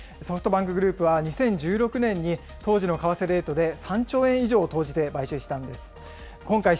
ソフトバンクグループは２０１６年に当時の為替レートで３兆円以上を投じて買収したんです。